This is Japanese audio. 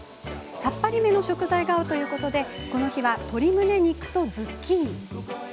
さっぱりめの食材が合うということでこの日は鶏むね肉とズッキーニ。